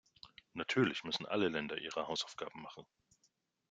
Natürlich müssen alle Länder ihre Hausaufgaben machen.